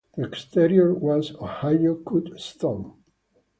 The exterior was Ohio cut stone.